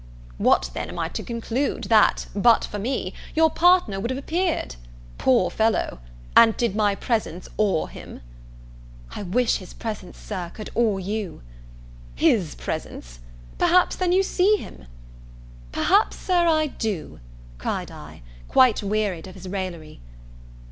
"What then, am I to conclude that, but for me, your partner would have appeared? poor fellow! and did my presence awe him?" "I wish his presence, Sir, could awe you!" "His presence! perhaps then you see him?" "Perhaps, Sir, I do," cried I, quite wearied of his raillery.